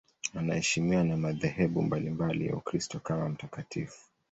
Anaheshimiwa na madhehebu mbalimbali ya Ukristo kama mtakatifu.